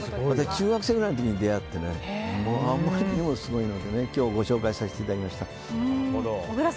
中学生ぐらいの時に出会ってあまりにもすごいのでご紹介させていただきました。